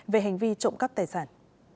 về hành vi trộm các tài sản